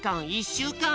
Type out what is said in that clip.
しゅうかん。